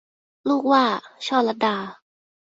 ลูกหว้า - ช่อลัดา